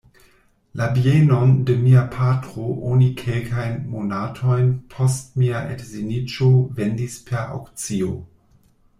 La bienon de mia patro oni kelkajn monatojn post mia edziniĝo vendis per aŭkcio.